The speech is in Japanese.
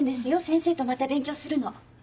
先生とまた勉強するの。